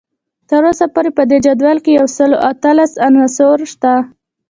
تر اوسه پورې په دې جدول کې یو سل او اتلس عناصر شته